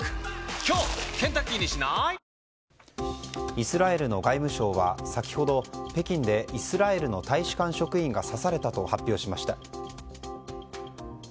イスラエルの外務省は先ほど北京でイスラエルの大使館職員が刺されたと発表しました。